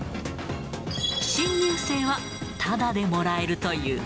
新入生はただでもらえるという。